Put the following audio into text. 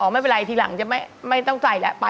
อ๋อไม่เป็นไรทีหลังจะไม่ต้องใส่แล้ว